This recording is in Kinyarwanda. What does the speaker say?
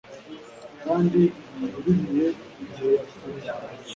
kandi uririre igihe yapfuye